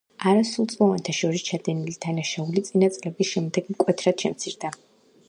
არასრულწლოვანთა შორის ჩადენილი დანაშაული წინა წლების შემდეგ მკვეთრად შემცირდა.